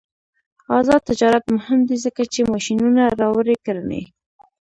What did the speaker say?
آزاد تجارت مهم دی ځکه چې ماشینونه راوړي کرنې.